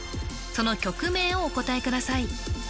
その曲名をお答えください